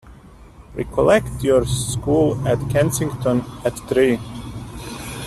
Recollect your school at Kensington at three.